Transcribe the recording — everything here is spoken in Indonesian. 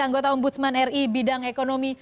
anggota ombudsman ri bidang ekonomi